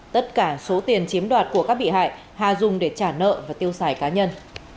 tất cả số tiền chiếm đoạt của các bị hại hà dùng để trả nợ và tiêu xài cá nhân